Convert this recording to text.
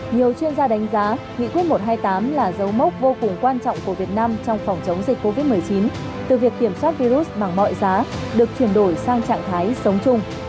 nhiều chuyên gia đánh giá nghị quyết một trăm hai mươi tám là dấu mốc vô cùng quan trọng của việt nam trong phòng chống dịch covid một mươi chín từ việc kiểm soát virus bằng mọi giá được chuyển đổi sang trạng thái sống chung